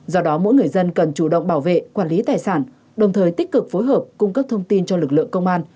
do đó mỗi người dân cần chủ động bảo vệ quản lý tài sản đồng thời tích cực phối hợp cung cấp thông tin cho lực lượng công an